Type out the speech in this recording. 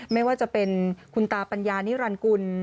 ไม่ว่าจะเป็นคุณตาปัญญานิรันดิกุล